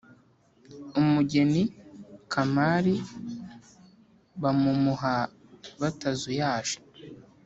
Umugeni kamari bamumuha batazuyaje